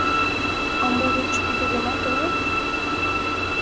А, можыч, тиде йомак гына